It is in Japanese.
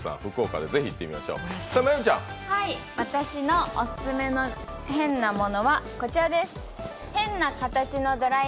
私のオススメの変なものはこちらです。